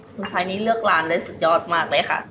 คุณชายนี้เลือกร้านได้สุดยอดมากเลยค่ะ